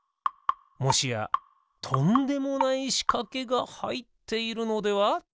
もしやとんでもないしかけがはいっているのでは？